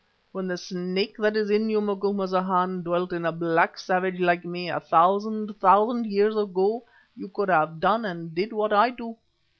When the Snake that is in you, Macumazana, dwelt in a black savage like me a thousand thousand years ago, you could have done and did what I do.